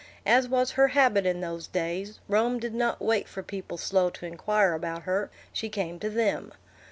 As was her habit in those days, Rome did not wait for people slow to inquire about her; she came to them.